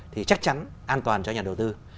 thì chắc chắn an toàn cho nhà đầu tư